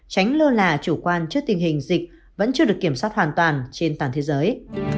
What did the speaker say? tránh lơ là chủ quan trước tình hình dịch vẫn chưa được kiểm soát hoàn toàn trên toàn thế giới